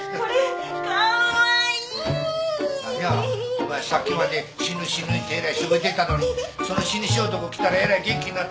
お前さっきまで死ぬ死ぬってえらいしょげてたのにその死に装束着たらえらい元気になったな。